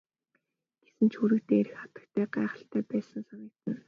Гэсэн ч хөрөг дээрх хатагтай гайхалтай байсан санагдана.